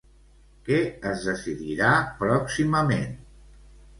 Què es decidirà pròximament?